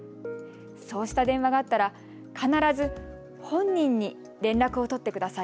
そうした電話があったら必ず本人に連絡を取ってください。